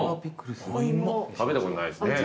食べたことないですね。